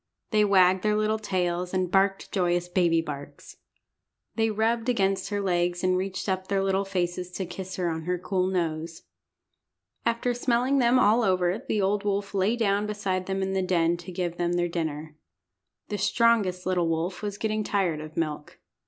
They wagged their little tails, and barked joyous baby barks. They rubbed against her legs, and reached up their little faces to kiss her on her cool nose. After smelling them all over the old wolf lay down beside them in the den to give them their dinner. The strongest little wolf was getting tired of milk.